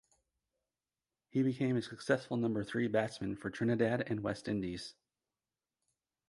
He became a successful number three batsman for Trinidad and West Indies.